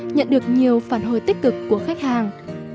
nhận được nhiều phản hồi tích cực của khách hàng